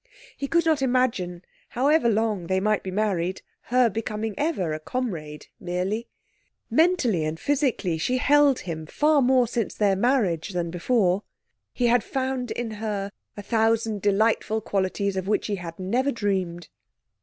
He could not imagine, however long they might be married, her becoming ever a comrade merely. Mentally and physically, she held him far more since their marriage than before; he had found in her a thousand delightful qualities of which he had never dreamed.